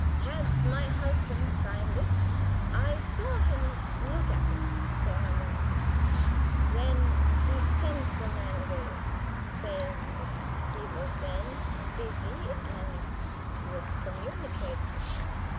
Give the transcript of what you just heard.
Had my husband signed it? I saw him look at it for a moment. Then he sent the man away, saying that he was then busy and would communicate with him.